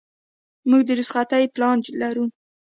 موږ د رخصتۍ پلان لرو.